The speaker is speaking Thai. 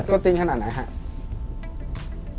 กวนตีนขนาดไหนฮะ